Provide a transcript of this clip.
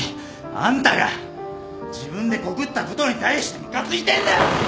あんたが自分で告ったことに対してムカついてんだよ！